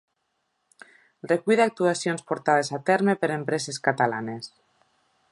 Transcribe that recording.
Recull d'actuacions portades a terme per empreses catalanes.